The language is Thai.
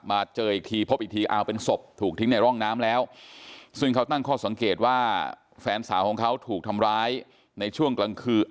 เจออีกทีพบอีกทีอ้าวเป็นศพถูกทิ้งในร่องน้ำแล้วซึ่งเขาตั้งข้อสังเกตว่าแฟนสาวของเขาถูกทำร้ายในช่วงกลางคืน